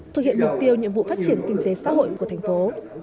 thực hiện mục tiêu nhiệm vụ phát triển kinh tế xã hội của thành phố